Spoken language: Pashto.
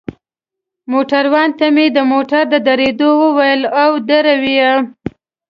موټروان ته مې د موټر د درولو وویل، او ودروه يې.